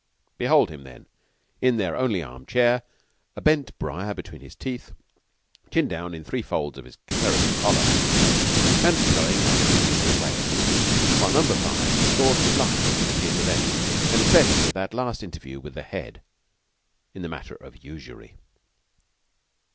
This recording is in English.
Behold him, then, in their only arm chair, a bent briar between his teeth, chin down in three folds on his clerical collar, and blowing like an amiable whale, while Number Five discoursed of life as it appeared to them, and specially of that last interview with the Head in the matter of usury.